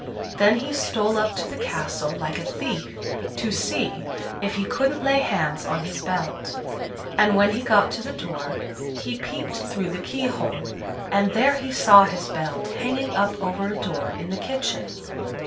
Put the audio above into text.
Then he stole up to the castle, like a thief, to see if he couldn't lay hands on his belt; and when he got to the door, he peeped through the keyhole, and there he saw his belt hanging up over a door in the kitchen.